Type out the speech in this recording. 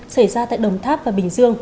xảy ra tại đồng tháp và bình dương